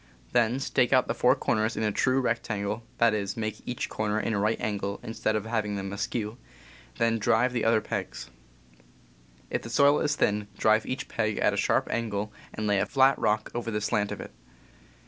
Then .J, , stake out the four corners in a true rect angle (that is, make each corner a right angle, instead of having them askew). Then drive the other pegs. If the soil is thin, drive each peg at a sharp angle and lay a flat rock over the slant of it.